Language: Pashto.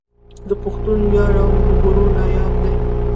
د پښتون وياړ او غرور ناياب دی